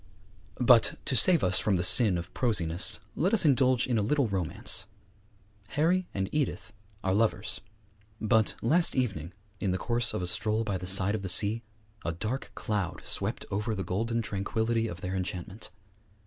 But, to save us from the sin of prosiness, let us indulge in a little romance. Harry and Edith are lovers; but last evening, in the course of a stroll by the side of the sea, a dark cloud swept over the golden tranquillity of their enchantment.